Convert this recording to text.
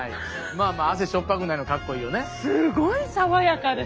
まあまあ汗塩っぱくないのかっこいいよね。